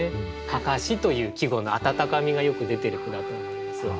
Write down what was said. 「案山子」という季語の温かみがよく出てる句だと思いますよ。